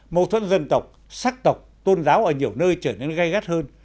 mâu thuẫn dân tộc sắc tộc tôn giáo ở nhiều nơi trở nên gây gắt hơn